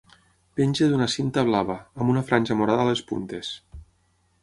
Penja d'una cinta blava, amb una franja morada a les puntes.